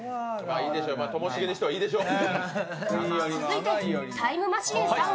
ともしげにしてはいいでしょう。